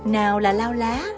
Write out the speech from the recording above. nào là lao lá